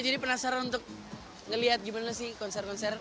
jadi penasaran untuk ngelihat gimana sih konser konser